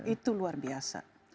itu luar biasa